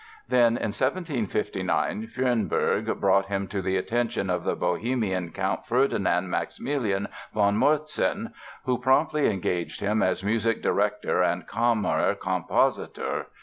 Then, in 1759, Fürnberg brought him to the attention of the Bohemian Count Ferdinand Maximilian von Morzin, who promptly engaged him as music director and Kammerkompositor.